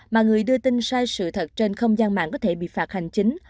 mà người đưa tin sai sự thật trên không gian mạng có thể bị phạt hành chính